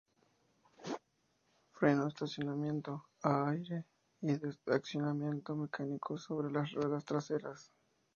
Freno estacionamiento: A aire y de accionamiento mecánico sobre las ruedas traseras.